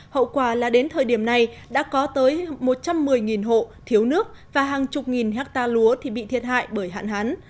hậu quả là đến thời điểm này đã có tới một trăm một mươi hộ thiếu nước và hàng chục nghìn hectare lúa thì bị thiệt hại bởi hạn hán